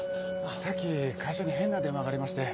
さっき会社に変な電話がありまして。